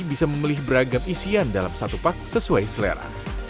bisa memilih beragam isian dalam satu pak sesuai selera